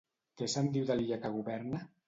Què se'n diu de l'illa que governa?